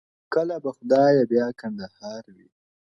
• کله به خدایه بیا کندهار وي -